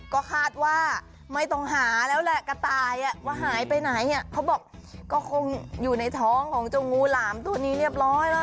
ก็คาดว่าไม่ต้องหาแล้วแหละกระต่ายว่าหายไปไหนเขาบอกก็คงอยู่ในท้องของเจ้างูหลามตัวนี้เรียบร้อยแล้ว